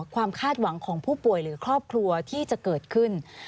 คาดหวังของผู้ป่วยหรือครอบครัวที่จะเกิดขึ้น